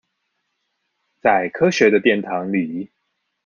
在科學的殿堂裡